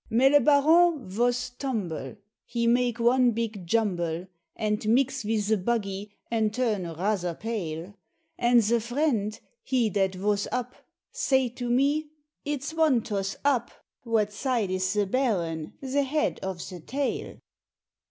Mais le Baron vos tumble, He make one big jumble, And mix vis ze buggy and turn razzer pale, And ze friend, he that voss up Say to me, "It's von toss up What side is ze Baron, ze head of ze tail?"